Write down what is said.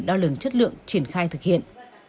đo lường chất lượng triển khai thực hiện